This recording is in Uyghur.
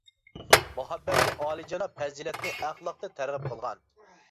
مۇھەببەتنى، ئالىيجاناب پەزىلەتنى، ئەخلاقنى تەرغىب قىلغان.